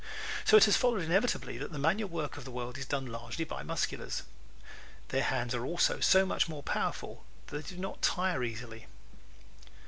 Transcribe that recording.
So it has followed inevitably that the manual work of the world is done largely by Musculars. Their hands are also so much more powerful that they do not tire easily.